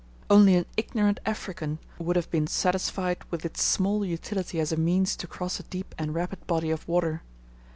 Only an ignorant African would have been satisfied with its small utility as a means to cross a deep and rapid body of water.